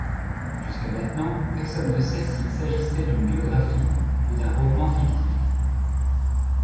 Jusqu'à maintenant, personne ne sait s'il s'agissait d'une biographie ou d'un roman fictif.